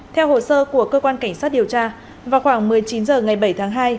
theo hồ sơ của cơ quan cảnh sát điều tra vào khoảng một mươi chín h ngày bảy tháng hai